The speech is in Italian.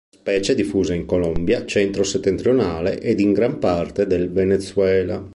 La specie è diffusa in Colombia centro-settentrionale ed in gran parte del Venezuela.